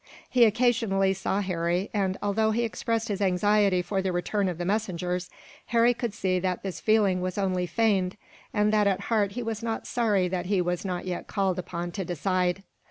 He occasionally saw Harry and, although he expressed his anxiety for the return of the messengers, Harry could see that this feeling was only feigned, and that at heart he was not sorry that he was not yet called upon to decide.